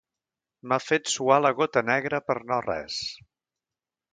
M'ha fet suar la gota negra per no res.